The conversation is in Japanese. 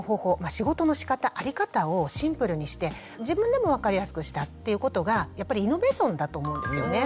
仕事のしかたあり方をシンプルにして自分でも分かりやすくしたっていうことがやっぱりイノベーションだと思うんですよね。